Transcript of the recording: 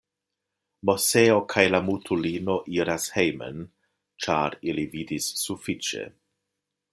Moseo kaj la mutulino iras hejmen, ĉar ili vidis sufiĉe.